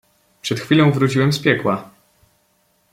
"Przed chwilą wróciłem z piekła"